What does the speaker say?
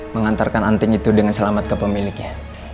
mengantarkan anting itu dengan selamat ke pemiliknya